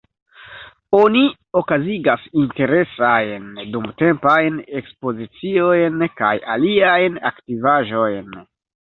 Oni okazigas interesajn dumtempajn ekspoziciojn kaj aliajn aktivaĵojn.